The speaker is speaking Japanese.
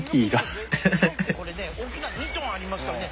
サイってこれね大きいの２トンありますからね。